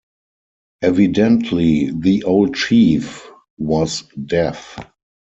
Evidently the old chief was deaf.